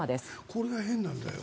これが変なんだよ。